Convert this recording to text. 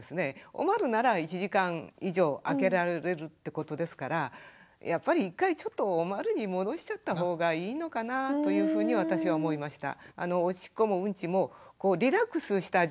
おまるなら１時間以上あけられるってことですからやっぱり一回ちょっとおまるに戻しちゃった方がいいのかなというふうに私は思いました。